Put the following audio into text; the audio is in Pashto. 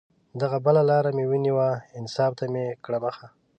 دغه بله لار مې ونیوه، انصاف ته مې کړه مخه